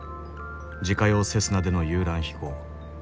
自家用セスナでの遊覧飛行。